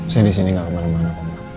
saya di sini gak kemana mana